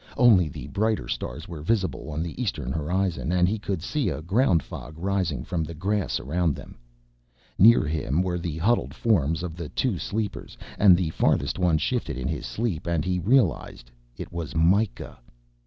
Only the brighter stars were visible on the eastern horizon and he could see a ground fog rising from the grass around them. Near him were the huddled forms of the two sleepers and the farthest one shifted in his sleep and he realized it was Mikah.